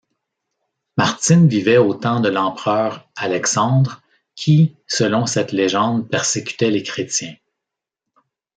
Martine vivait au temps de l'empereur Alexandre qui selon cette légende persécutait les Chrétiens.